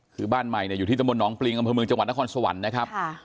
คือบ้านใหม่อยู่ที่ตะมนตน้องปริงอำเภอเมืองจังหวัดนครสวรรค์นะครับ